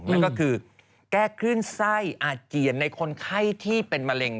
นั่นก็คือแก้คลื่นไส้อาเจียนในคนไข้ที่เป็นมะเร็ง